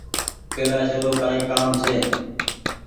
ڪيلآشي رو ڪآئي ڪآم ڇي۔